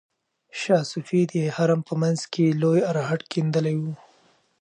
شاه صفي د حرم په منځ کې لوی ارهډ کیندلی و.